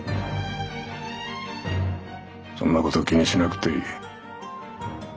そんなこと気にしなくていい。